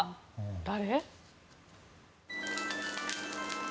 誰？